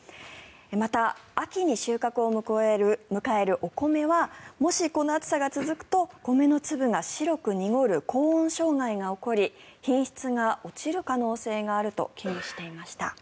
また、秋に収穫を迎えるお米はもしこの暑さが続くと米の粒が白く濁る高温障害が起こり品質が落ちる可能性があると危惧していました。